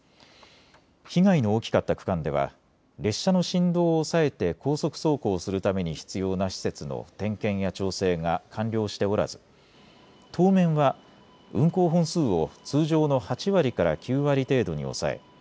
被害の大きかった区間では列車の振動を抑えて高速走行をするために必要な施設の点検や調整が完了しておらず当面は運行本数を通常の８割から９割程度に抑え